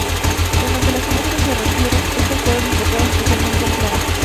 En lo que las imágenes se refiere, estas fueron importadas, especialmente de Flandes.